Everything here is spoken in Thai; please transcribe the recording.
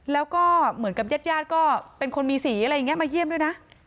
แล้วก็เหมือนกับญาติญาติก็เป็นคนมีสีอะไรอย่างนี้มาเยี่ยมด้วยนะ